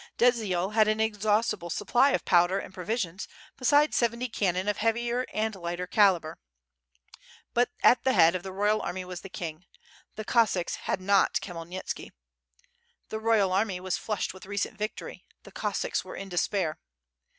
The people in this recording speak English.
Dziedzial had an inexhaustible supply of powder and pro visions, besides seventy cannon of heavier and lighter calibre. But at the head of the royal army was the king. The Cos sacks had not Khmyelnitski. The royal army was flushed with recent victory; the Cos sacks were in despair.